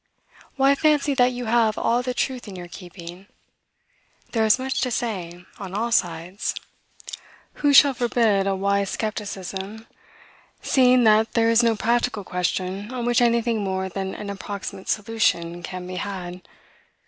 Why fancy that you have all the truth in your keeping? There is much to say on all sides. Who shall forbid a wise skepticism, seeing that there is no practical question on which anything more than an approximate solution can be had?